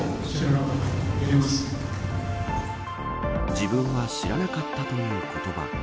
自分は知らなかったという言葉。